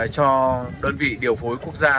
cho đơn vị điều phối quốc gia